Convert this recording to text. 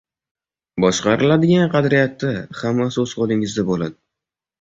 Boshqariladigan qadriyatda hammasi o’z qo’lingizda bo’ladi